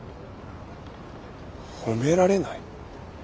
褒められない。